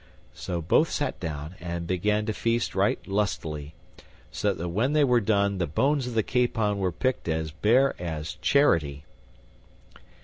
So both sat down and began to feast right lustily, so that when they were done the bones of the capon were picked as bare as charity.